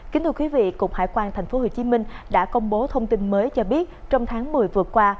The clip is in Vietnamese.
kính thưa quý vị cục hải quan tp hcm đã công bố thông tin mới cho biết trong tháng một mươi vừa qua